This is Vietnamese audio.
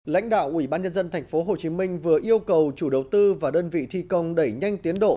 lãnh đạo ủy ban nhân dân tp hcm vừa yêu cầu chủ đầu tư và đơn vị thi công đẩy nhanh tiến độ